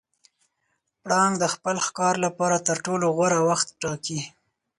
پړانګ د خپل ښکار لپاره تر ټولو غوره وخت ټاکي.